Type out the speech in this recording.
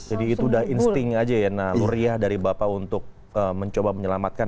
jadi itu udah insting aja ya nah lu riah dari bapak untuk mencoba menyelamatkan